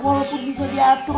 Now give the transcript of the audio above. walaupun bisa diatur